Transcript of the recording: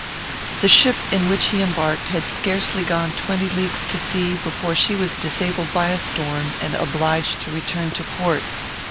"The ship in which he embarked had scarcely gone twenty leagues to sea, before she was disabled by a storm, and obliged to return to port.